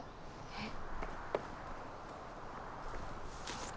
えっ。